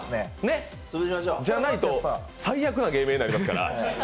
じゃないと最悪な芸名になりますから。